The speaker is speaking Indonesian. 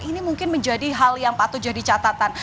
ini mungkin menjadi hal yang patut jadi catatan